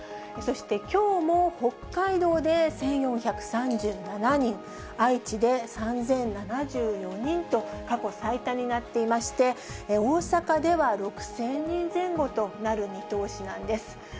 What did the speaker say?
そしてきょうも北海道で１４３７人、愛知で３０７４人と、過去最多になっていまして、大阪では６０００人前後となる見通しなんです。